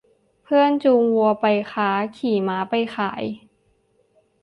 เพื่อนจูงวัวไปค้าขี่ม้าไปขาย